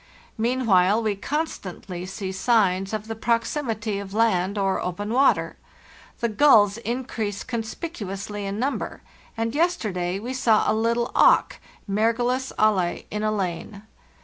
Meanwhile we constantly see signs of the proximity of land or open water. The gulls increase conspicuously in number, and yesterday we saw a little auk (Mergulus alle) in a lane.